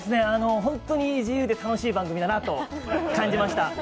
本当に自由で楽しい番組だなと感じました。